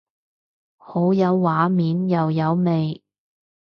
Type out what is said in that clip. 好有畫面又有味